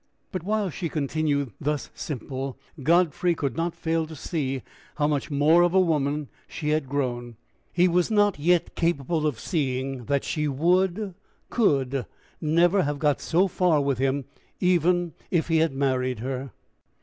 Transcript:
But, while she continued thus simple, Godfrey could not fail to see how much more of a woman she had grown: he was not yet capable of seeing that she would could never hare got so far with him, even if he had married her.